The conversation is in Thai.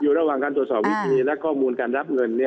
ระหว่างการตรวจสอบวิธีและข้อมูลการรับเงิน